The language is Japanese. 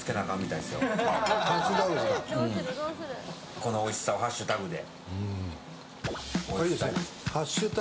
このおいしさをハッシュタグで。